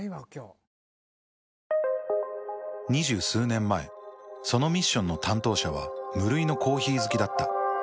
２０数年前そのミッションの担当者は無類のコーヒー好きだった。